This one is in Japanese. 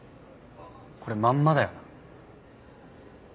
これまんまだよな。